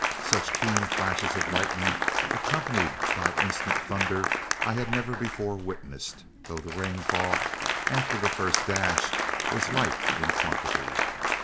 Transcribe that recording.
Such keen flashes of lightning accompanied by instant thunder I had never before witnessed, though the rainfall, after the first dash, was light in quantity.